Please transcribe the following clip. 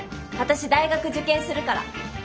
私大学受験するから。